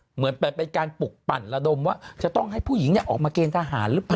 เหมือนเป็นการปลุกปั่นระดมว่าจะต้องให้ผู้หญิงออกมาเกณฑหารหรือเปล่า